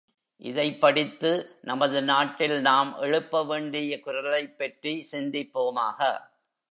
இதைப் படித்து நமது நாட்டில் நாம் எழுப்பவேண்டிய குரலைப்பற்றி சிந்திப்போமாக.